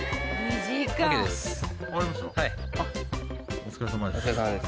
お疲れさまです。